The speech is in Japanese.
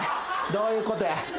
どういうことや？